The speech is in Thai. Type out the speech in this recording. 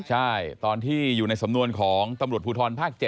ใช่ตอนที่อยู่ในสำนวนของตำรวจภูทรภาค๗